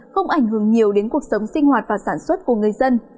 không ảnh hưởng nhiều đến cuộc sống sinh hoạt và sản xuất của người dân